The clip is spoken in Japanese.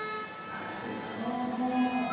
大正解ですね。